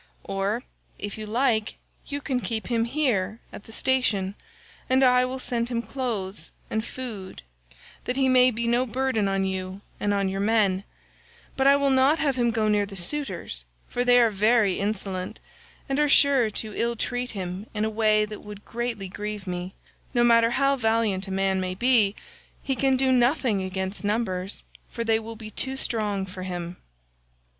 Or if you like you can keep him here at the station, and I will send him clothes and food that he may be no burden on you and on your men; but I will not have him go near the suitors, for they are very insolent, and are sure to ill treat him in a way that would greatly grieve me; no matter how valiant a man may be he can do nothing against numbers, for they will be too strong for him."